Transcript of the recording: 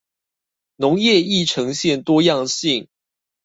農業亦呈現多樣性